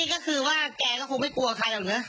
อ๋อนี่ก็คือว่าแกก็คงไม่กลัวใครเหรอ